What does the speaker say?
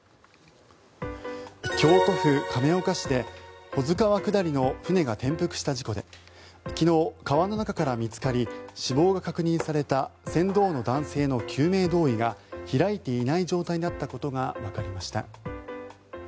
京都府亀岡市で保津川下りの船が転覆した事故で昨日、川の中から見つかり死亡が確認された船頭の男性の救命胴衣が開いていない状態だったことがわかりました。